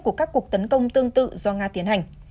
của các cuộc tấn công tương tự do nga tiến hành